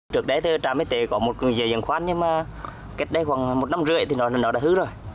trước đây tràm y tế có một dưới diện khoan nhưng mà cách đây khoảng một năm rưỡi thì nó đã hư rồi